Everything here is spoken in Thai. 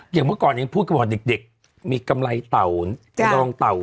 อย่างเมื่อก่อนยังพูดกับพวกเด็กมีกำไรเตาเกดองเตา